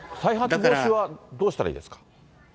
再発防止はどうしたらいいですか？